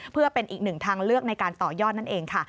เพื่อเป็นอีกหนึ่งทางเลือกในการต่อยอดนั่นเองค่ะ